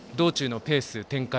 道中のペース、展開